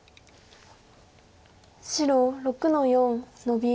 白６の四ノビ。